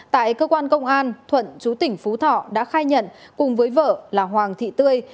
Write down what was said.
tại cơ quan công an thuận chú tỉnh phú thọ đã khai nhận cùng với vợ là hoàng thị tươi